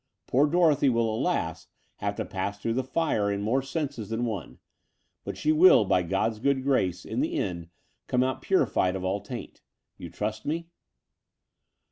Poor Dorothy will, alas, have to pass through the fire in more senses than one; but she will, by God's good grace, in the end come out purified of all taint. You trust me?"